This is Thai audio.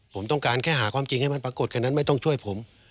ผมต้องการแค่หาความจริงให้มันปรากฏแค่นั้นไม่ต้องช่วยผม